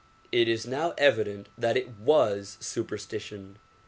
It is now evident that it was superstition.